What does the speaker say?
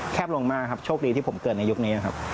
ลงมากครับโชคดีที่ผมเกิดในยุคนี้นะครับ